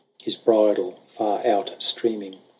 His bridle far out streaming.